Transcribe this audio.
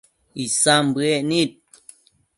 Isan bëec nid